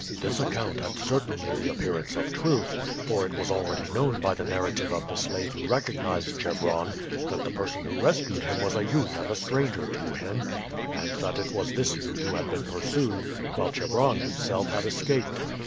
This account had certainly the appearance of truth; for it was already known by the narrative of the slave who recognized Chebron that the person who rescued him was a youth and a stranger to him, and that it was this youth who had been pursued while Chebron himself had escaped.